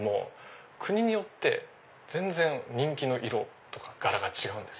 国によって全然人気の色とか柄が違うんです。